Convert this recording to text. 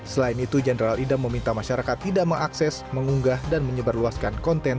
selain itu jenderal idam meminta masyarakat tidak mengakses mengunggah dan menyebarluaskan konten